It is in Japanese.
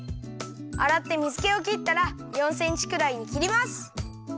あらって水けをきったら４センチくらいにきります。